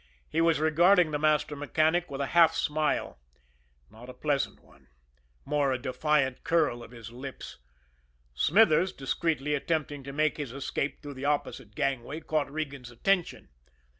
He was regarding the master mechanic with a half smile not a pleasant one more a defiant curl of his lips. Smithers, discreetly attempting to make his escape through the opposite gangway, caught Regan's attention.